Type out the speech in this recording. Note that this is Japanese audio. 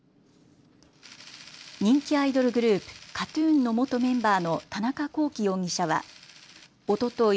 人気アイドルグループ、ＫＡＴーＴＵＮの元メンバーの田中聖容疑者はおととい